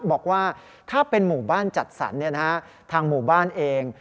บอกว่าถ้าเป็นหมู่บ้านจัดสรรทางหมู่บ้านเอง